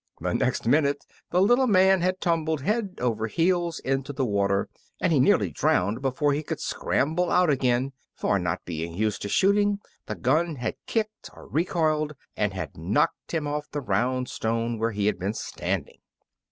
The next minute the little man had tumbled head over heels into the water, and he nearly drowned before he could scramble out again; for, not being used to shooting, the gun had kicked, or recoiled, and had knocked him off the round stone where he had been standing.